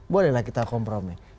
bolehlah kita kompromi